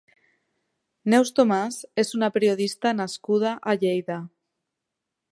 Neus Tomàs és una periodista nascuda a Lleida.